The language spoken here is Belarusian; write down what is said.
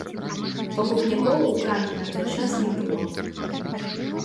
Пакупнікоў у краме на той час не было.